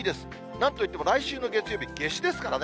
なんといっても来週の月曜日、夏至ですからね。